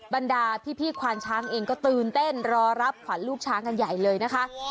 บรรดาพี่ควานช้างเองก็ตื่นเต้นรอรับขวัญลูกช้างกันใหญ่เลยนะคะ